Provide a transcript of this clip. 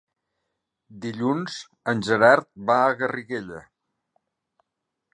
Dilluns en Gerard va a Garriguella.